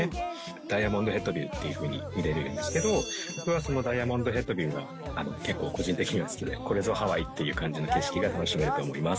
ダイヤモンドヘッドビューっていうふうにいってるんですけど、僕はそのダイヤモンドヘッドビューが結構個人的には好きで、これぞハワイっていう感じの景色が楽しめると思います。